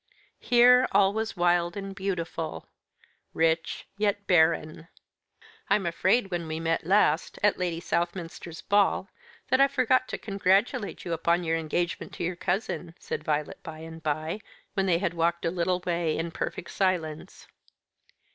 Here all was wild and beautiful rich, yet barren. "I'm afraid when we met last at Lady Southminster's ball that I forgot to congratulate you upon your engagement to your cousin," said Violet by and by, when they had walked a little way in perfect silence.